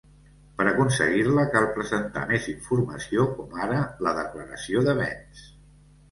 Per aconseguir-la cal presentar més informació com ara la declaració de béns.